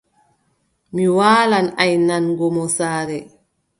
Mi waalan aynango mo saare.